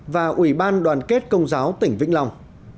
và ủy ban đoàn kết công giáo tỉnh vĩnh long